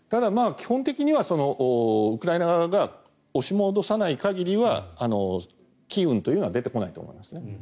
基本的にはウクライナ側が押し戻さない限りは機運というのは出てこないと思います。